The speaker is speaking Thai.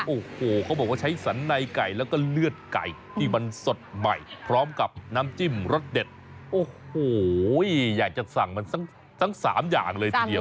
โอ้โหเขาบอกว่าใช้สันในไก่แล้วก็เลือดไก่ที่มันสดใหม่พร้อมกับน้ำจิ้มรสเด็ดโอ้โหอยากจะสั่งมันทั้งสามอย่างเลยทีเดียว